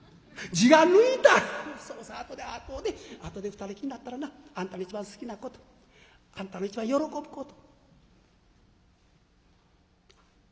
「うそうそあとであとであとで２人きりになったらなあんたの一番好きなことあんたの一番喜ぶこと」。